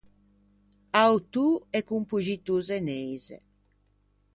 Autô e compoxitô zeneise.